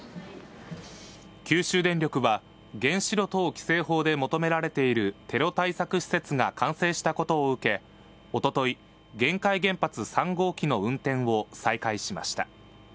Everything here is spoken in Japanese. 九州電力は原子炉等規制法で求められているテロ対策施設が完成したことを受け、おととい、玄海原発３号機の運転を再開しました。